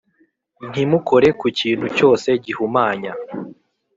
Ntimukore kukintu cyose gihumanya